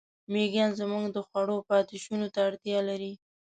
مېږیان زموږ د خوړو پاتېشونو ته اړتیا لري.